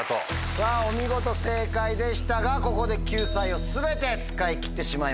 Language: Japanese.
さぁお見事正解でしたがここで救済を全て使い切ってしまいました。